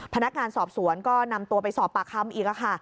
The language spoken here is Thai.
พนักงานสอบสวนก็นำตัวไปสอบปากคำอีกค่ะ